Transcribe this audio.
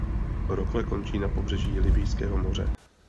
Rokle končí na pobřeží Libyjského moře.